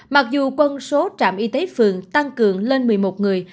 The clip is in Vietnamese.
mặc dù quân số trạm y tế phường tăng cường lên một mươi một người